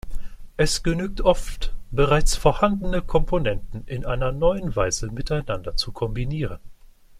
Es genüge oft, bereits vorhandene Komponenten in einer neuen Weise miteinander zu kombinieren.